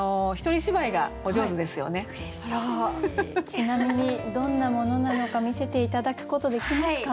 ちなみにどんなものなのか見せて頂くことできますか？